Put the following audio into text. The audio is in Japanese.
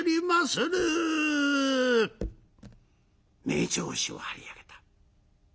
名調子を張り上げた。